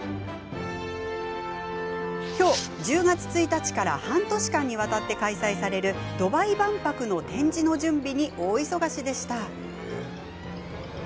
きょう、１０月１日から半年間にわたって開催されるドバイ万博の展示の準備に大忙しでした。